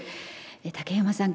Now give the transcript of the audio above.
竹山さん